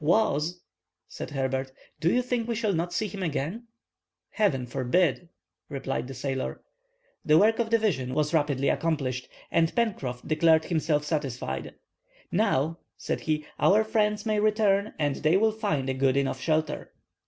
"Was!" said Herbert. "Do you think we shall not see him again?" "Heaven forbid!" replied the sailor. The work of division was rapidly accomplished, and Pencroff declared himself satisfied. "Now," said he, "our friends may return, and they will find a good enough shelter."